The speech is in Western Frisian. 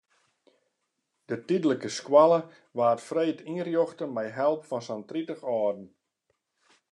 De tydlike skoalle waard freed ynrjochte mei help fan sa'n tritich âlden.